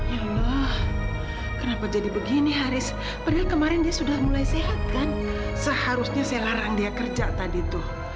ya allah kenapa jadi begini haris padahal kemarin dia sudah mulai sehat kan seharusnya saya larang dia kerja tadi tuh